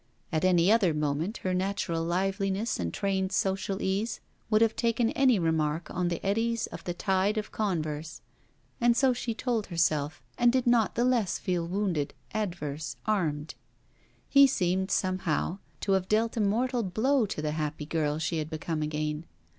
At any other moment her natural liveliness and trained social ease would have taken any remark on the eddies of the tide of converse; and so she told herself, and did not the less feel wounded, adverse, armed. He seemed somehow to have dealt a mortal blow to the happy girl she had become again.